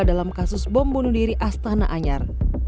dalam kasus bom bunuh diri astana anyar